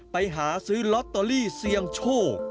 ไปหาซื้อลอตเตอรี่เสี่ยงโชค